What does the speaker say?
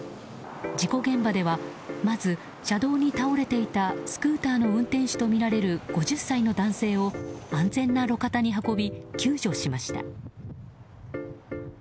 事故現場ではまず車道に倒れていたスクーターの運転手とみられる５０歳の男性を安全な路肩に運び救助しました。